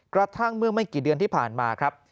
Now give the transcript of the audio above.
กระทั่งเมื่อไม่กี่เดือนที่ผ่านมาครับ